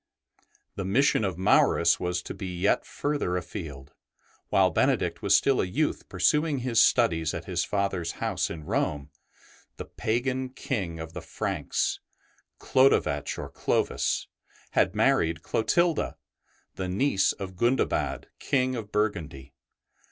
The mission of Maurus was to be yet further afield. While Benedict was still a youth pursuing his studies at his father's house in Rome, the pagan King of the Franks, Chlodovech or Clovis, had married Clotilda, the niece of Gundobad, King of Burgundy.